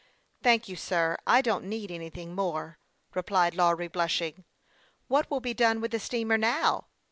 " Thank you, sir ; I don't need anything more," replied Lawry, blushing. " What will be done with the steamer now